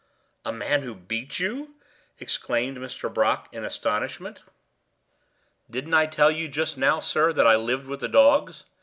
"A man who beat you!" exclaimed Mr. Brock, in astonishment. "Didn't I tell you just now, sir, that I lived with the dogs?